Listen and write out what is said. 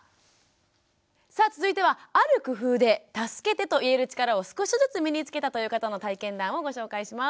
さあ続いてはある工夫で助けてと言える力を少しずつ身につけたという方の体験談をご紹介します。